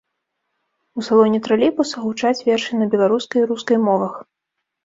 У салоне тралейбуса гучаць вершы на беларускай і рускай мовах.